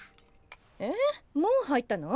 えっもう入ったの？